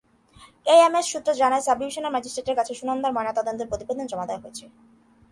AIIMS সূত্র জানায়, subdivisional ম্যাজিস্ট্রেটের কাছে সুনন্দার ময়নাতদন্তের প্রতিবেদন জমা দেওয়া হয়েছে।